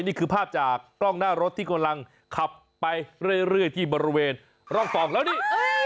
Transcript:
นี่คือภาพจากกล้องหน้ารถที่กำลังขับไปเรื่อยที่บริเวณร่องฟองแล้วนี่